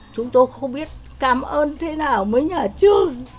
chúng tôi không biết cảm ơn thế nào với nhà trường